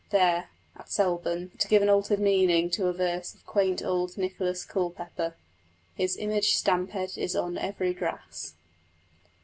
There, at Selborne to give an altered meaning to a verse of quaint old Nicholas Culpepper His image stampéd is on every grass.